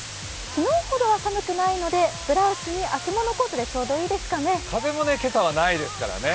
昨日ほどは寒くないので、ブラウスに秋物コートでちょうどいいですかね。